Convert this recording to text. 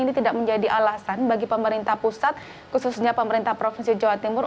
ini tidak menjadi alasan bagi pemerintah pusat khususnya pemerintah provinsi jawa timur